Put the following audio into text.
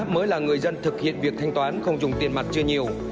mới là người dân thực hiện việc thanh toán không dùng tiền mặt chưa nhiều